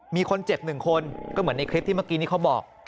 มีคนเจ็บ๑คนก็เหมือนในคลิปที่เมื่อกี้นี้เขาบอก